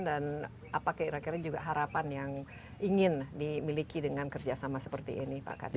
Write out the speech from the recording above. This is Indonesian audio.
dan apa kira kira juga harapan yang ingin dimiliki dengan kerjasama seperti ini pak kadis